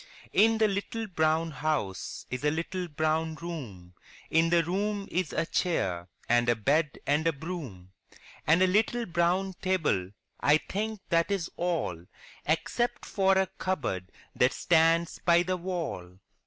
In the little brown house is a little brown room, In the room is a chair and a bed and a broom, And a little brown table; I think that is all, Except for a cupboard that stands by the wall.